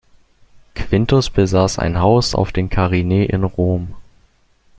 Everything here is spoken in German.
Quintus besaß ein Haus auf den Carinae in Rom.